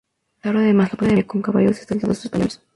Pizarro, además, lo apoyaría con caballos y soldados españoles.